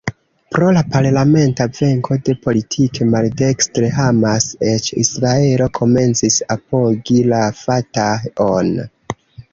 Pro la parlamenta venko de politike maldekstre Hamas, eĉ Israelo komencis apogi la Fatah-on.